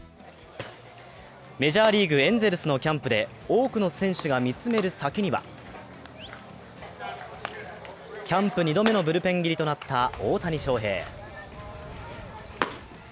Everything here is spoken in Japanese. メジャーリーグ、エンゼルスのキャンプで多くの選手が見つめる先にはキャンプ２度目のブルペン入りとなった大谷翔平。